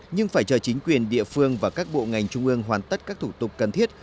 nhưng phải chờ chính quyền địa phương và các bộ ngành trung ương hoàn tất các thủ tục cần thiết